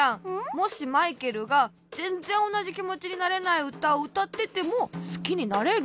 もしマイケルがぜんぜんおなじきもちになれないうたをうたっててもすきになれる？